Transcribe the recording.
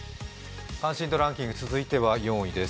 関心度ランキング続いては４位です。